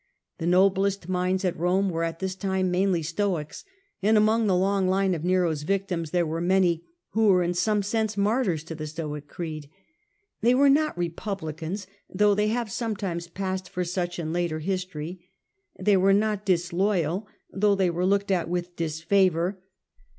The noblest minds at Rome were at this time mainly Stoics, and among the long line of Nero's victims there Philosophers were many who were m some sense martyrs on to the Stoic creed. They were not republi mistrust. cans, though they have sometimes passed for such in later history. They were not disloyal, though they were looked at with disfavour.